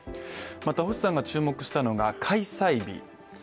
また、星さんが注目したのが開催日。